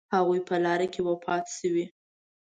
هغوی په لاره کې وفات شوي.